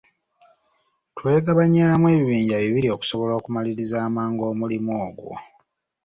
Twegabanyaamu ebibinja bibiri okusobola okumaliriza amangu omulimu ogwo.